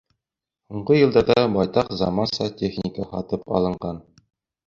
Һуңғы йылдарҙа байтаҡ заманса техника һатып алынған.